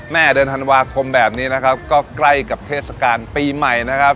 เดือนธันวาคมแบบนี้นะครับก็ใกล้กับเทศกาลปีใหม่นะครับ